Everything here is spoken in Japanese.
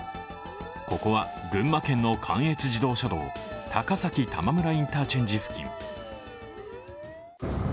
ここは、群馬県の関越自動車道高崎玉村インターチェンジ付近。